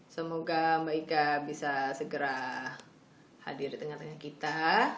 semoga mbak ika bisa segera hadir di tengah tengah kita